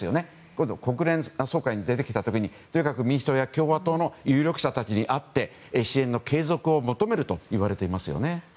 今度、国連総会に出てきた時に民主党や共和党の有力者たちに会って支援の継続を求めるといわれていますよね。